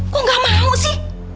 kok gak mau sih